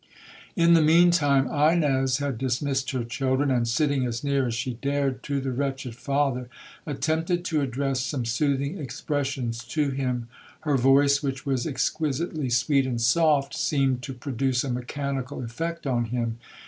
'In the mean time, Ines had dismissed her children, and sitting as near as she dared to the wretched father, attempted to address some soothing expressions to him. Her voice, which was exquisitely sweet and soft, seemed to produce a mechanical effect on him.